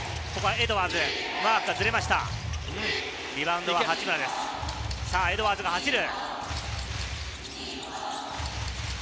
エドワーズが走る。